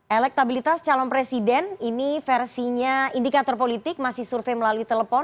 elektabilitas calon presiden ini versinya indikator politik masih survei melalui telepon